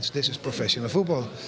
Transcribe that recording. ini adalah bola profesional